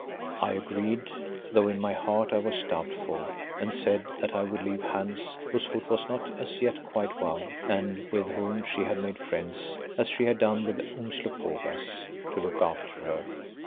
I agreed, though in my heart I was doubtful, and said that I would leave Hans, whose foot was not as yet quite well, and with whom she had made friends as she had done with Umslopogaas, to look after her.